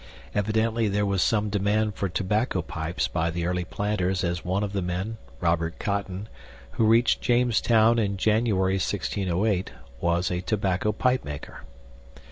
Evidently there was some demand for tobacco pipes by the early planters as one of the men, Robert Cotten, who reached Jamestown in January 1608, was a tobacco pipemaker.